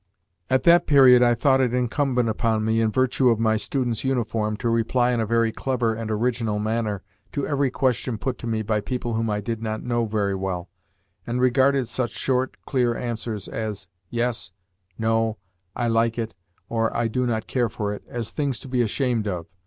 At that period I thought it incumbent upon me, in virtue of my student's uniform, to reply in a very "clever and original" manner to every question put to me by people whom I did not know very well, and regarded such short, clear answers as "Yes," "No," "I like it," or "I do not care for it," as things to be ashamed of.